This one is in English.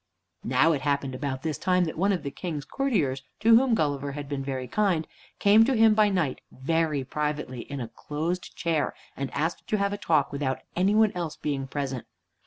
Now it happened about this time that one of the King's courtiers, to whom Gulliver had been very kind, came to him by night very privately in a closed chair, and asked to have a talk, without any one else being present.